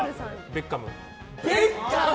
ベッカム。